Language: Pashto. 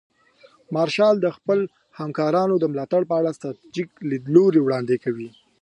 مارشال د خپلو همکارانو د ملاتړ په اړه ستراتیژیک لیدلوري وړاندې کوي.